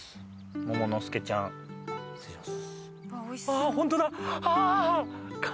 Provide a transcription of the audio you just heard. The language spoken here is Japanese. もものすけちゃん失礼します。